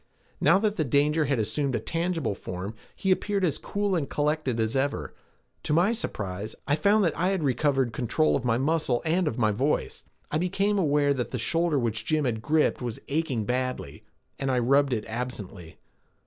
Now that the danger had assumed a tangible form, he appeared as cool and collected as ever, to my surprise, I found that I had recovered control of my muscle and of my voice. I became aware that the shoulder which Jim had gripped was aching badly, and I rubbed it absently.